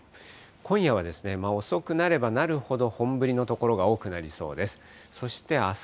今夜は遅くなればなるほど本降りの所が多くなりそうです。